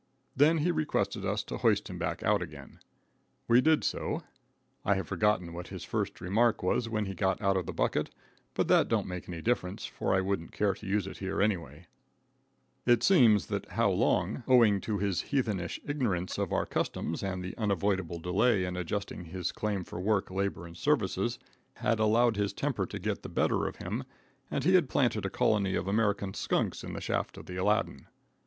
Then he requested us to hoist him out again. We did so. I have forgotten what his first remark was when he got out of the bucket, but that don't make any difference, for I wouldn't care to use it here anyway. [Illustration: I HAVE FORGOTTEN HIS FIRST REMARK.] It seems that How Long, owing to his heathenish ignorance of our customs and the unavoidable delay in adjusting his claim for work, labor and services, had allowed his temper to get the better of him, and he had planted a colony of American skunks in the shaft of the Aladdin.